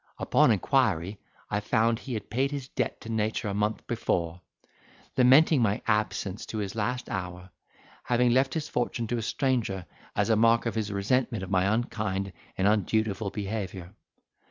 Upon inquiry, I found he had paid his debt to nature a month before, lamenting my absence to his last hour, having left his fortune to a stranger, as a mark of his resentment of my unkind and undutiful behaviour.